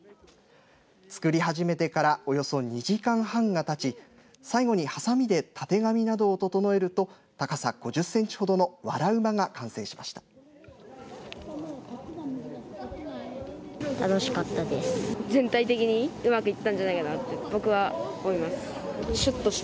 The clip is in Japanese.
作り始めてからおよそ２時間半がたち最後に、はさみでたてがみなどを整えると高さ５０センチほどのわら馬が完成しました。